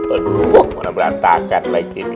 aduh mana berantakan lagi ini